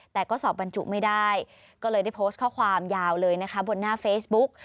แต่ก็สอบบรรจุไม่ได้ก็เลยได้โพสต์ข้อความยาวเลยนะคะบนหน้าเฟซบุ๊ก